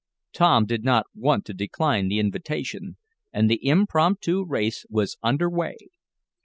Tom did not want to decline the invitation, and the impromptu race was under way.